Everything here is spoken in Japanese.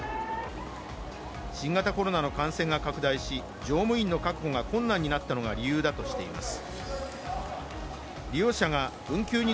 新型コロナの感染が拡大し乗務員の確保が困難になったのが理由だといいます。